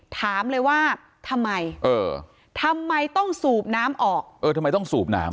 ถามเลยว่าทำไมเออทำไมทำไมต้องสูบน้ำออกเออทำไมต้องสูบน้ำ